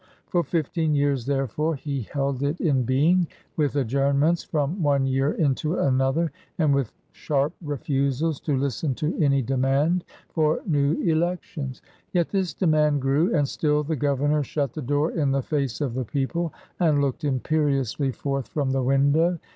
For fifteen years therefore he held it in being, with adjoiumments from one year into another and with sharp ref usab to listen to any demand for new elections. Yet this demand grew, and still the Governor shut the door in the face of the people and looked imperiously forth from the window.